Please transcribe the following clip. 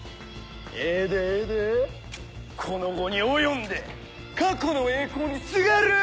ええでええでこの期に及んで過去の栄光にすがる？